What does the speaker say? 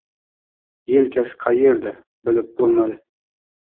Yelkasi qaerda, bilib bo‘lmadi.